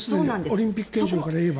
オリンピック憲章からいえば。